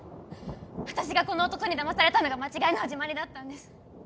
私がこの男にだまされたのが間違いの始まりだったんです。